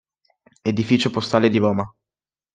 Edificio postale di Roma